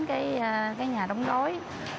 cái nhà đóng đói